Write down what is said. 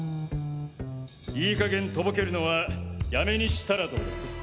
いい加減とぼけるのはやめにしたらどうです？